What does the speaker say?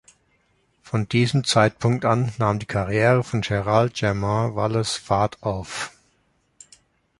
Von diesem Zeitpunkt an nahm die Karriere von Gerald Jermaine Wallace Fahrt auf.